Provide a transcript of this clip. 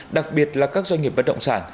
đặc biệt là các doanh nghiệp bất động sản